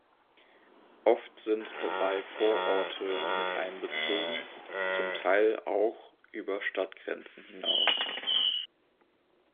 Oft sind dabei Vororte miteinbezogen, zum Teil auch über Stadtgrenzen hinaus.